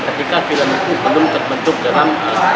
ketika film itu belum terbentuk dalam